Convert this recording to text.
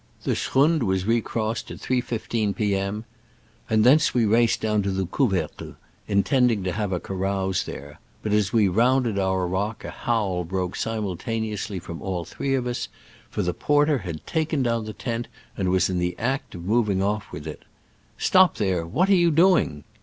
The schrund was recrossed at 3.15 p. M., and thence we raced down to the Couvercle, intending to have a carouse there; but as we rounded our rock a howl broke simul taneously from all three of us, for the porter had taken down the tent, and was in the act of moving off with it. Stop, there! what are you doing?"